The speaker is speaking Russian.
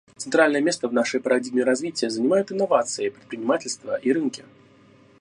Центральное место в нашей парадигме развития занимают инновации, предпринимательство и рынки.